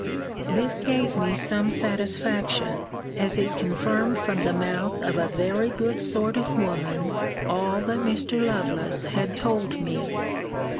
This gave me some satisfaction, as it confirmed from the mouth of a very good sort of woman all that Mr. Lovelace had told me.